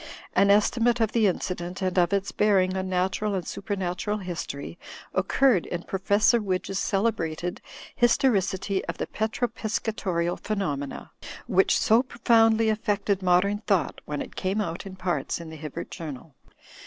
An estimate of the incident and of its bearing on natural and supernatural history occurred in Professor Widge's celebrated "Historicity of the Petro Piscatorial Phenomena"; which so pro Digitized by CjOOQ IC HIGHER CRITICISM AND MR. HIBBS 107 f oundly affected modem thought when it came out in parts in the Hibbert Journal.